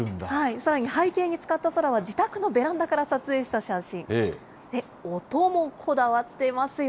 さらに背景に使った空は、自宅のベランダから撮影した写真。